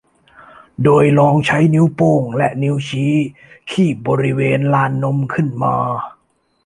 โดยลองใช้นิ้วโป้งและนิ้วชี้คีบบริเวณลานนมขึ้นมา